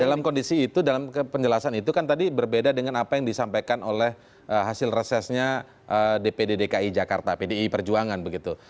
dalam kondisi itu dalam penjelasan itu kan tadi berbeda dengan apa yang disampaikan oleh hasil resesnya dpd dki jakarta pdi perjuangan begitu